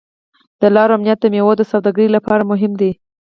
د لارو امنیت د میوو د سوداګرۍ لپاره مهم دی.